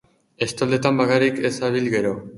Estoldetan bakarrik ez habil gero!